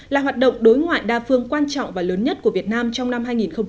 là hoạt động đối ngoại đa phương quan trọng và lớn nhất của việt nam trong năm hai nghìn hai mươi